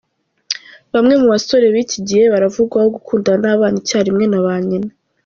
Bamwe mu basore b’iki gihe baravugwaho gukundana n’abana icyarimwe na ba nyina.